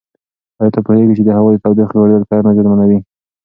ایا ته پوهېږې چې د هوا د تودوخې لوړېدل کرنه زیانمنوي؟